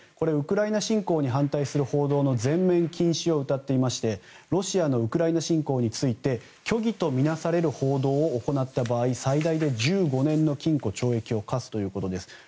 ウクライナ侵攻に反対する報道の全面禁止をうたっていましてロシアのウクライナ侵攻について虚偽とみなされる報道を行った場合、最大で１５年の禁錮・懲役を科すということです。